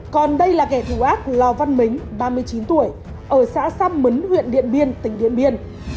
còn đây là kẻ thù ác lò văn mính ba mươi chín tuổi ở xã sam mấn huyện điện biên tỉnh điện biên